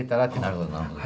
なるほどなるほど。